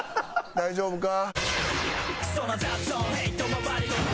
大丈夫か？